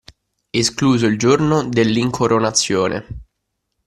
Escluso il giorno dell'incoronazione.